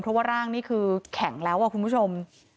เพราะว่าร่างนี่คือแข็งแล้วคุณผู้ชม